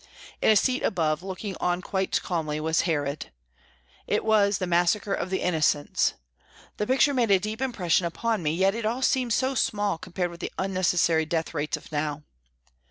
In a seat above, looking on quite calmly, was Herod. It was the Massacre of the Innocents. The picture made a deep impression upon me, yet it all seemed so small compared with the NEWCASTLE 203 unnecessary death rates of now.